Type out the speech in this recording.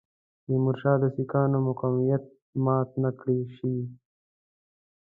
تیمورشاه د سیکهانو مقاومت مات نه کړای شي.